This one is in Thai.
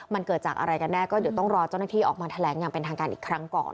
มันเกิดจากอะไรกันแน่ก็เดี๋ยวต้องรอเจ้าหน้าที่ออกมาแถลงอย่างเป็นทางการอีกครั้งก่อน